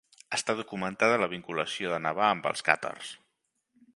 Està documentada la vinculació de Nevà amb els càtars.